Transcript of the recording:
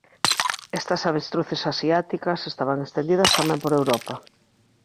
Estas avestruces asiáticas estaban estendidas tamén por Europa.